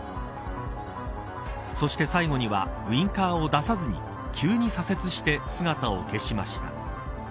そして最後にはウインカーを出さずに急に左折して姿を消しました。